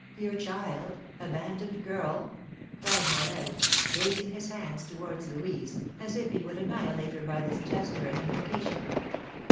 "Your child, abandoned girl!" cried Morel, raising his hands towards Louise, as if he would annihilate her by this gesture and imprecation.